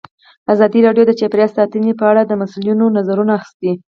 ازادي راډیو د چاپیریال ساتنه په اړه د مسؤلینو نظرونه اخیستي.